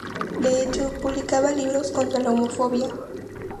De hecho, publicaba libros contra la homofobia.